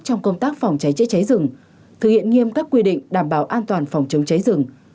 trong công tác phòng cháy chữa cháy rừng thực hiện nghiêm các quy định đảm bảo an toàn phòng chống cháy rừng